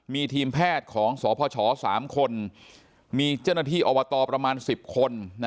มีทีมแพทย์ของสพช๓คนมีเจ้าหน้าที่อบตประมาณ๑๐คน